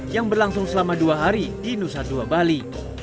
yang berlangsung selama dua hari di nusa dua bali